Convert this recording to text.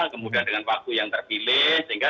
kemudian dengan waktu yang terpilih sehingga